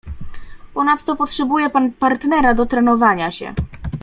"Ponadto potrzebuje pan partnera do trenowania się."